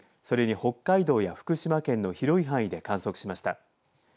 それに北海道や福島県の広い範囲で観測しました。